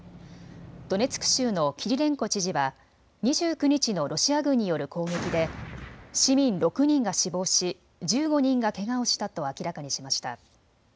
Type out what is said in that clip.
ドネツク州のキリレンコ知事は２９日のロシア軍による攻撃で市民６人が死亡し１５人がけがをしたと明らかにしました。